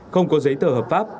không có giấy tờ hợp pháp